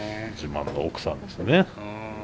自慢の奥さんですね。